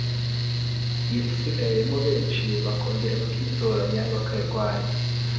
irisigayemo benshi, bakongera bakitoranya bakarwana,